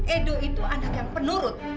edo itu anak yang penurut